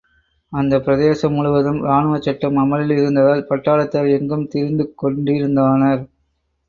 அந்தப் பிரதேசம் முழுவதும் ராணுவச் சட்டம் அமுலில் இருந்ததால் பட்டாளத்தார் எங்கும் திரிந்துக்கொண்டிருந்தானர்.